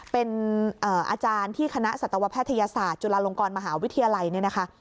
เป็นอาจารย์ที่คณะสัตวแพทยศาสตร์จุฬาลงกรมหาวิทยาลัยเนี่ยนะคะ